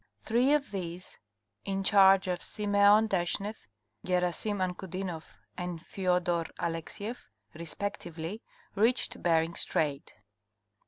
Three of these, in charge of Simeon Deshneff, Gerasim Ankudinoff and Feodor Alexieff, respectively, reached Bering Strait.